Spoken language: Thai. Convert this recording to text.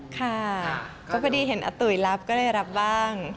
ค่ะก็พอดีเห็นอาตุ๋ยรับก็เลยรับบ้าง